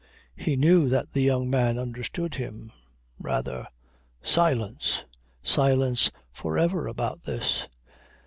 He knew that the young man understood him. Rather! Silence! Silence for ever about this.